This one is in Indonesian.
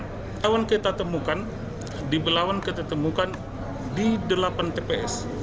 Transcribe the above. hewan kita temukan di belawan kita temukan di delapan tps